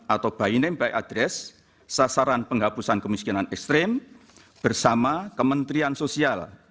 atau by name by address sasaran penghapusan kemiskinan ekstrim bersama kementerian sosial